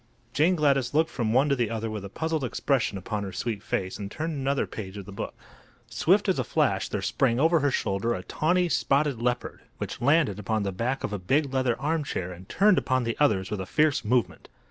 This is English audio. Jane Gladys looked from one to the other with a puzzled expression upon her sweet face, and turned another page of the book. Swift as a flash there sprang over her shoulder a tawney, spotted leopard, which landed upon the back of a big leather armchair and turned upon the others with a fierce movement.